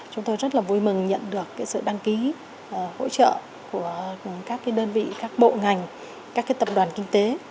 chúng tôi rất là vui mừng nhận được sự đăng ký hỗ trợ của các đơn vị các bộ ngành các tập đoàn kinh tế